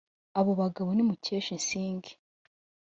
Abo bagabo ni Mukesh Singh